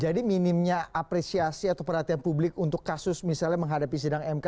jadi minimnya apresiasi atau perhatian publik untuk kasus misalnya menghadapi sidang mk